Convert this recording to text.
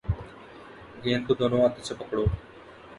گیند کو دونوں ہاتھوں سے پکڑو